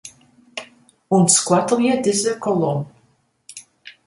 Untskoattelje dizze kolom.